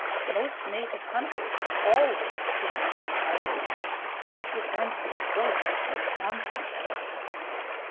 Most native hunters always singe a tiger's whiskers to prevent his ghost from haunting them.